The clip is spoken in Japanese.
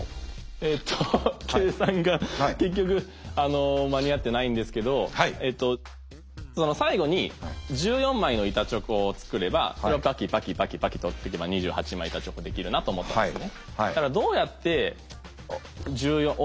えっと計算が結局間に合ってないんですけどその最後に１４枚の板チョコを作ればそれをパキパキパキパキと折っていけば２８枚板チョコできるなと思ったんですね。